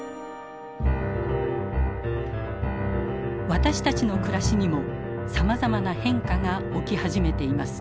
私たちの暮らしにもさまざまな変化が起き始めています。